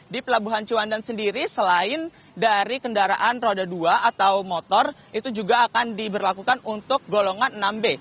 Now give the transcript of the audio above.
di pelabuhan ciwandan sendiri selain dari kendaraan roda dua atau motor itu juga akan diberlakukan untuk golongan enam b